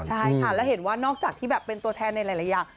ใช่ค่ะแล้วเห็นว่านอกจากที่แบบเป็นตัวแทนในหลายอย่าง